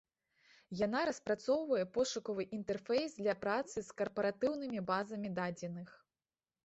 Яна распрацоўвае пошукавы інтэрфейс для працы з карпаратыўнымі базамі дадзеных.